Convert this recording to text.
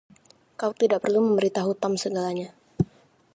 Kau tidak perlu memberi tahu Tom segalanya.